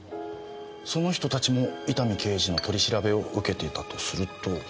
その人たちも伊丹刑事の取り調べを受けていたとすると。